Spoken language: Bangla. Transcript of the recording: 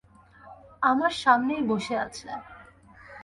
আমার সামনেই বসে আছে!